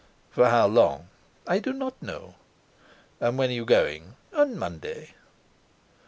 "For how long?" "I do not know." "And when are you going?" "On Monday."